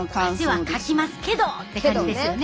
「汗はかきますけど」って感じですよね。